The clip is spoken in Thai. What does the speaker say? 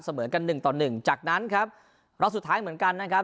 เสมอกันหนึ่งต่อหนึ่งจากนั้นครับรอบสุดท้ายเหมือนกันนะครับ